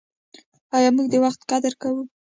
آیا موږ د وخت قدر کوو؟